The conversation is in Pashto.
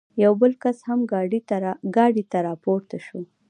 یو بل کس هم ګاډۍ ته را پورته شو.